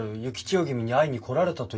君に会いに来られたというのに。